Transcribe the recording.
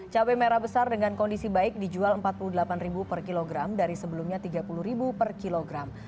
cabai merah besar dengan kondisi baik dijual rp empat puluh delapan per kilogram dari sebelumnya rp tiga puluh per kilogram